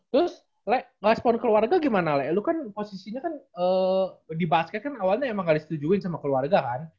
terus respon keluarga gimana lek lu kan posisinya kan di basket kan awalnya emang gak disetujuin sama keluarga kan